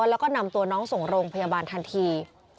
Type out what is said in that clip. แล้วก็นำตัวน้องส่งโรงพยาบาลทันที